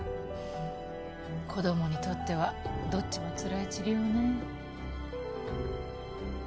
子供にとってはどっちもつらい治療ね。